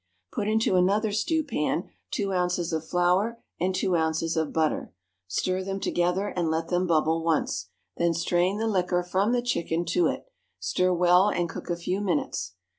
Put into another stewpan two ounces of flour and two ounces of butter; stir them together, and let them bubble once, then strain the liquor from the chicken to it; stir well, and cook a few minutes.